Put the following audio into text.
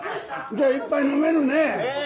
じゃあ一杯飲めるねぇ！